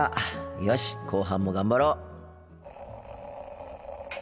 よし後半も頑張ろう。